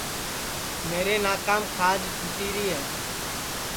میرے کانام کھاج چھُوٹِیری ہے